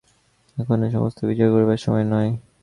এখন এ সমস্ত বিচার করিবার সময় নয়।